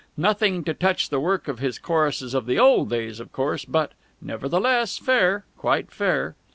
Nothing to touch the work of his choruses of the old days, of course, but nevertheless fair, quite fair.